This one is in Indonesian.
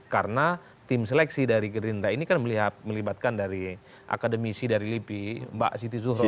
karena tim seleksi dari gerindra ini kan melihat melibatkan dari akademisi dari lipi mbak siti zuhroff